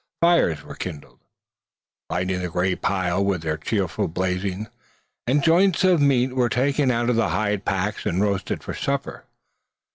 Fires were kindled, lighting the grey pile with their cheerful blazing; and joints of meat were taken out of the hide packs and roasted for supper.